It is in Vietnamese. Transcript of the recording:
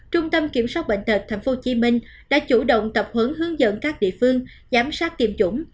trung tâm kiểm soát bệnh tật tp hcm đã chủ động tập hướng hướng dẫn các địa phương giám sát tiêm chủng